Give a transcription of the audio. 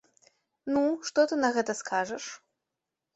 Ну, што ты на гэта скажаш?